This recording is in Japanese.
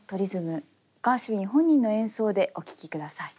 ガーシュウィン本人の演奏でお聴きください。